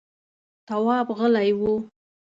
تواب غلی و…